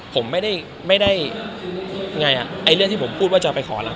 ผมไม่ได้ไม่ได้ไงอ่ะไอ้เรื่องที่ผมพูดว่าจะไปขอหลัง